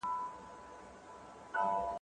زکات د اسلام لویه فريضه ده.